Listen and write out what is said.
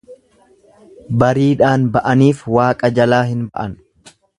Bariidhaan ba'aniif Waaqa jalaa hin ba'an.